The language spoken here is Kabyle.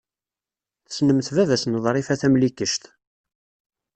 Tessnemt baba-s n Ḍrifa Tamlikect.